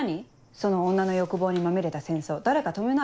その女の欲望にまみれた戦争誰か止めなよ。